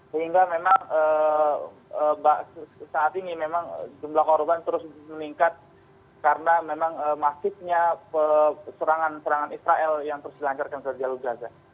sehingga memang saat ini memang jumlah korban terus meningkat karena memang masifnya serangan serangan israel yang terus dilancarkan ke jalur gaza